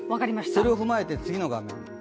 それを踏まえて次の画面。